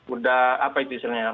udah apa itu istilahnya